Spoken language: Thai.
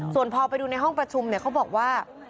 ส่วนพอไปดูในห้องประชุมเขาบอกว่า